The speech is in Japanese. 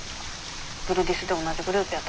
グルディスで同じグループやった子に。